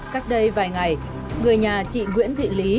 cách đây vài ngày người nhà chị nguyễn thị lý